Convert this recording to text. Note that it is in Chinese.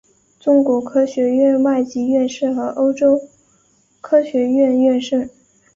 中国科学院外籍院士和欧洲科学院院士。